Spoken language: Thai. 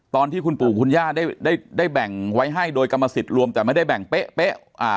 ตอนที่คุณปู่คุณย่าได้ได้แบ่งไว้ให้โดยกรรมสิทธิ์รวมแต่ไม่ได้แบ่งเป๊ะเป๊ะอ่า